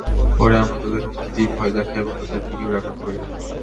পরে আমরা তাদের হুমকি দিই, ভয় দেখাই, এবং তাদের ভিডিও রেকর্ড করি।